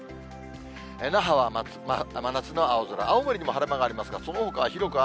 那覇は真夏の青空、青森にも晴れ間がありますが、そのほかは広く雨。